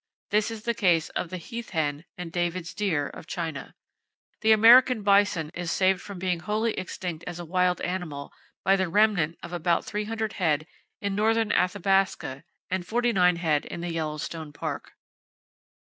This is the case of the heath hen and David's deer, of China. The American bison is saved from being wholly extinct as a wild animal by the remnant of about 300 head in northern Athabasca, and 49 head in the Yellow stone Park.